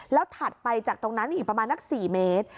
แล้วถัดไปจากตรงนั้นอีกประมาณนัก๔เมตร